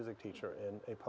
jika seseorang bertanya